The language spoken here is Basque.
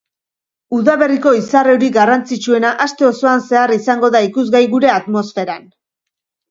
Udaberriko izar-euri garrantzitsuena aste osoan zehar izango da ikusgai gure atmosferan.